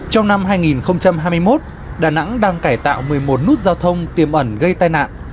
trong năm hai nghìn hai mươi một đà nẵng đang cải tạo một mươi một nút giao thông tiềm ẩn gây tai nạn